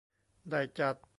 ได้จัด